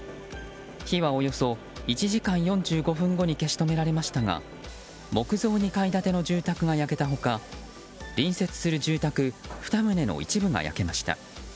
火はおよそ１時間４５分後に消し止められましたが木造２階建ての住宅が焼けた他隣接する住宅２棟の一部が焼けました。